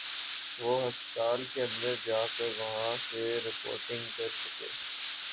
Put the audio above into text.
وہ ہسپتال کے اندر جا کر وہاں سے رپورٹنگ کر سکے۔